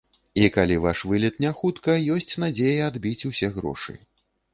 І калі ваш вылет не хутка, ёсць надзея адбіць усе грошы.